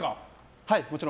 はい、もちろん。